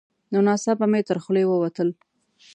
نو ناڅاپه مې تر خولې ووتل: